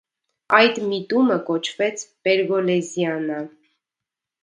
Այդ միտումը կոչվեց «պերգոլեզիանա»։